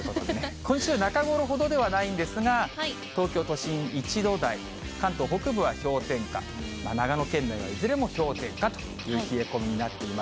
今週中頃ほどではないんですが、東京都心１度台、関東北部は氷点下、長野県内はいずれも氷点下という冷え込みになっています。